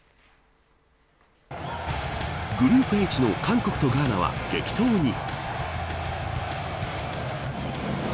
グループＨの韓国とガーナは激闘に。